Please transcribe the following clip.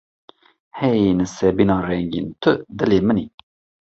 Hey Nisêbîna rengîn tu dilê min î.